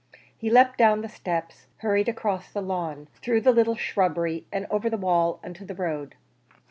He leapt down the steps, hurried across the lawn, through the little shrubbery, and over the wall into the road.